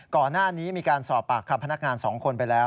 ก่อนหน้านี้มีการสอบปากคำพนักงาน๒คนไปแล้ว